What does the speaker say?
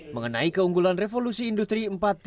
mengenai keunggulan revolusi industri empat tiga